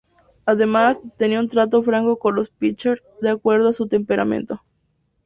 Además, tenía un trato franco con los "pitchers" de acuerdo a su temperamento.